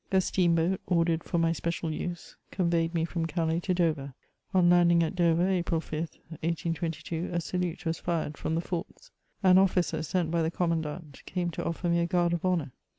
A steam boat, ordered for my special use, conveyed me from Calais to Dover. On landing at Dover, April 5, 1822, a salute was fired from the forts. An officer, sent by the commandant, came to offer me a guard of honour.